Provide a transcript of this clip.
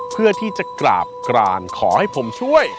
เพื่อที่จะกราบกรานขอให้ผมช่วย